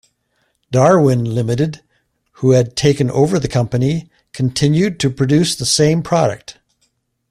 Darwin Limited, who had taken over the company, continued to produce the same product.